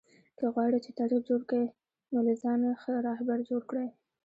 که غواړى، چي تاریخ جوړ کى؛ نو له ځانه ښه راهبر جوړ کئ!